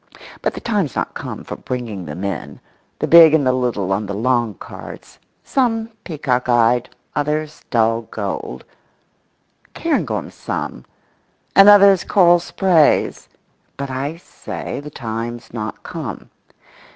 —but the time's not come for bringing them in—the big and the little on the long cards, some peacock eyed, others dull gold; cairngorms some, and others coral sprays—but I say the time's not come.